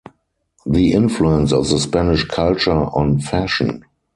The influence of the Spanish culture on Fashion.